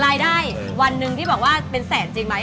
รายได้วันหนึ่งที่บอกว่าเป็นแสนจริงไหม